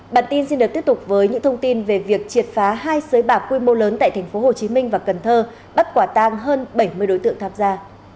bản tin xin được tiếp tục với những thông tin về việc triệt phá hai sới bạc quy mô lớn tại tp hcm và cần thơ bắt quả tang hơn bảy mươi đối tượng tham gia